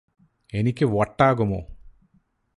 എനിക്ക് വട്ടാകുമോ